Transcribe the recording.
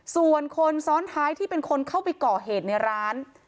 ส่วนคนซ้อนท้ายที่เป็นคนเข้าไปก่อเหตุในร้าน